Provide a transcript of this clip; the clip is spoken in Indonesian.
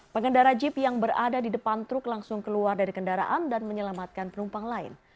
pengendara jeep yang berada di depan truk langsung keluar dari kendaraan dan menyelamatkan penumpang lain